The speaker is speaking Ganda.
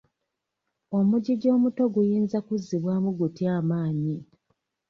Omugigi omuto guyinza kuzzibwamu gutya amaanyi?